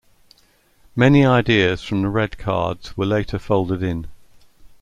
Many ideas from the red cards were later folded in.